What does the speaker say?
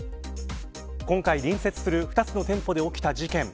今回、隣接する２つの店舗で起きた事件。